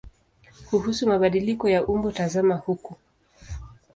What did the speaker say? Kuhusu mabadiliko ya umbo tazama huko.